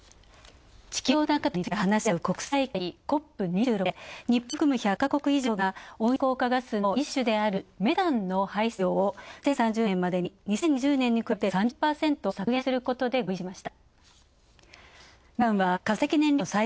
地球温暖化対策について話し合う国際会議＝ＣＯＰ２６で、日本を含む１００カ国以上が温室効果ガスの一種であるメタンの排出量を２０３０年までに２０２０年に比べて３０％削減することで合意しました。